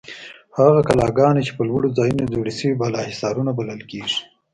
هغه کلاګانې چې په لوړو ځایونو جوړې شوې بالاحصارونه بلل کیږي.